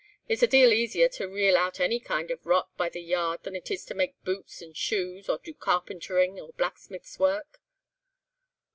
It's a deal easier to reel out any kind of rot by the yard than it is to make boots and shoes, or do carpentering, or blacksmith's work."